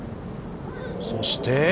そして。